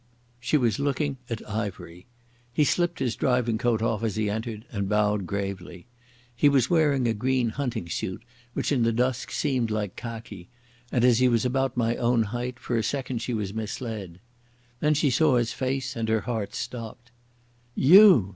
She was looking at Ivery.... He slipped his driving coat off as he entered, and bowed gravely. He was wearing a green hunting suit which in the dusk seemed like khaki, and, as he was about my own height, for a second she was misled. Then she saw his face and her heart stopped. "You!"